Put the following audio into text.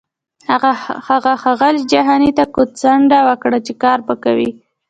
هغه ښاغلي جهاني ته کوتڅنډنه وکړه چې کار به کوي.